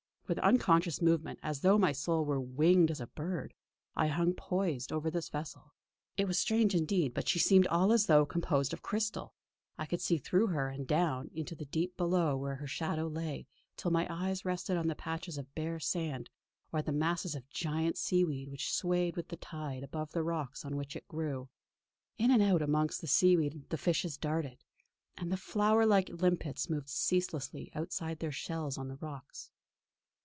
With unconscious movement, as though my soul were winged as a bird, I hung poised over this vessel. It was strange indeed, but she seemed all as though composed of crystal; I could see through her, and down into the deep below her where her shadow lay, till my eyes rested on the patches of bare sand or the masses of giant seaweed which swayed with the tide above the rocks on which it grew. In and out amongst the seaweed the fishes darted, and the flower like limpets moved ceaselessly outside their shells on the rocks.